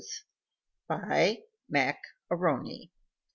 BY MAC A'RONY.